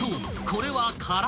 これは］